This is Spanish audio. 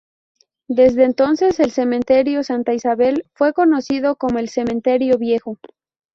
Desde entonces el cementerio Santa Isabel fue conocido como el Cementerio Viejo.